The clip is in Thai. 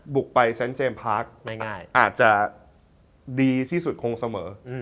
บุกไปเซ็นเจมส์พาร์คง่ายอาจจะดีที่สุดคงเสมอ